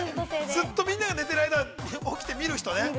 ずっとみんなが寝ている間、起きて見る人ね。